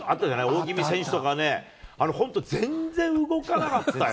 おおぎみ選手とか、本当、全然動かなかったよ。